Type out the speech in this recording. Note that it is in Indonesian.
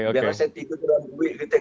biar saya tidak ditikuti dengan buit gitu